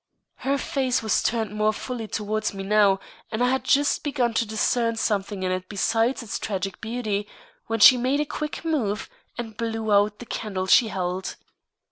Her face was turned more fully towards me now, and I had just begun to discern something in it besides its tragic beauty, when she made a quick move and blew out the candle she held.